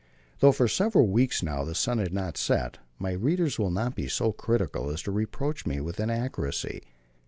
Though for several weeks now the sun had not set, my readers will not be so critical as to reproach me with inaccuracy.